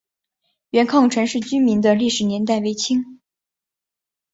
元坑陈氏民居的历史年代为清。